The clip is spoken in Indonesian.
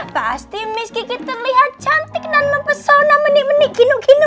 pasti miss gigi terlihat cantik dan mempesona menik menik gino gino